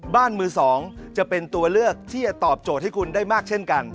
บ้านมือสองจะเป็นตัวเลือกที่จะตอบโจทย์ให้คุณได้มากเช่นกัน